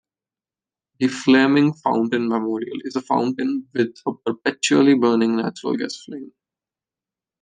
The Flaming Fountain Memorial is a fountain with a perpetually burning natural gas flame.